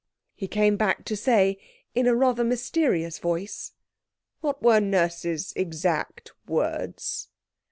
He came back to say, in a rather mysterious voice 'What were Nurse's exact words?'